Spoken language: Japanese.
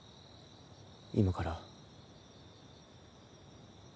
今から。